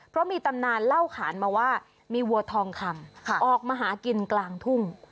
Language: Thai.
เพราะมีตำนานเล่าขานมาว่ามีวัวทองคำออกมาหากินกลางทุ่ง